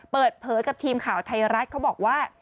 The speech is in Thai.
เปิดเผยกับทีมข่าวไทยรัฐเขาบอกว่า